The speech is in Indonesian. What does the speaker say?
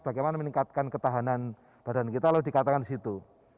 bagaimana meningkatkan ketahanan badan kita lalu dikatakan di situ